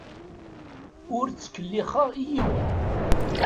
Ur ttkellixeɣ i yiwen.